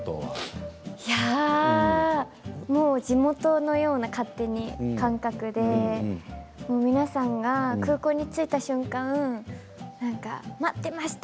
地元のような勝手に感覚で皆さんが空港に着いた瞬間待ってました！